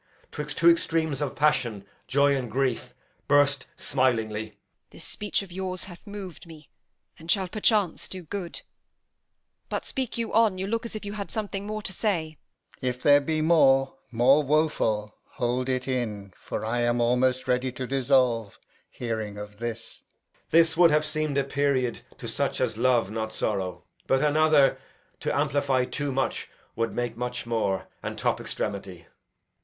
'Twixt two extremes of passion, joy and grief, Burst smilingly. Edm. This speech of yours hath mov'd me, And shall perchance do good; but speak you on; You look as you had something more to say. Alb. If there be more, more woful, hold it in; For I am almost ready to dissolve, Hearing of this. Edg. This would have seem'd a period To such as love not sorrow; but another, To amplify too much, would make much more, And top extremity.